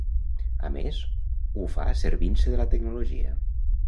A més, ho fa servint-se de la tecnologia.